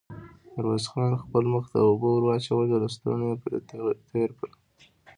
ميرويس خان خپل مخ ته اوبه ور واچولې، لستوڼۍ يې پرې تېر کړ.